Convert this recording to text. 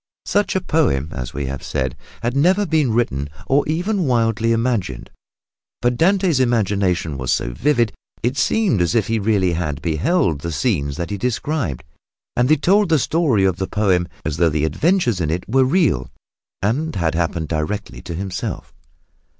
Such a poem, as we have said, had never been written or even wildly imagined, but Dante's imagination was so vivid that it seemed as if he really had beheld the scenes that he described. And he told the story of the poem as though the adventures in it were real and had happened directly to himself.